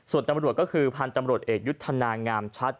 ส่วนตำรวจก็คือพันธุ์ตำรวจเอกยุทธนางามชัด